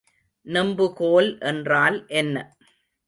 நெம்புகோல் என்றால் என்ன?